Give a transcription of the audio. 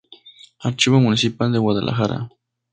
Archivo Municipal de Guadalajara.